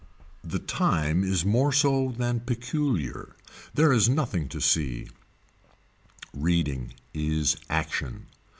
The time is more so than peculiar. There is nothing to see. Reading is action.